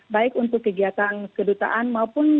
baik untuk kegiatan kedutaan maupun